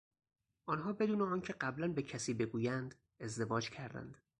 آنها بدون آنکه قبلا به کسی بگویند ازدواج کردند.